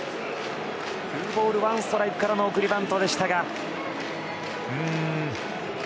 ツーボールワンストライクからの送りバントでしたが。